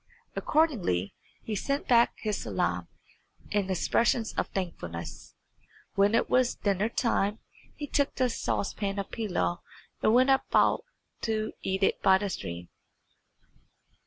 Accordingly he sent back his salam and expressions of thankfulness. When it was dinner time he took the saucepan of pilaw and went out to eat it by the stream.